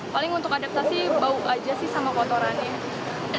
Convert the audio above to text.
paling untuk adaptasi bau aja sih sama kotorannya